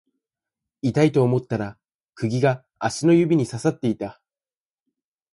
痛いと思ったら釘が足の指に刺さっていた